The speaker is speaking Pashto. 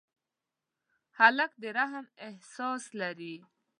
هلک د رحم احساس لري.